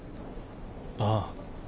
ああ。